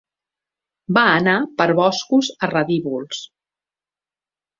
Va anar per boscos erradívols.